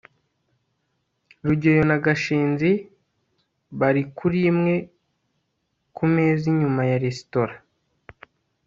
rugeyo na gashinzi bari kuri imwe kumeza inyuma ya resitora